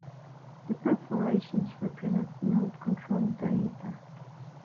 The perforations represent note control data.